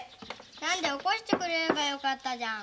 何で起こしてくれればよかったじゃん。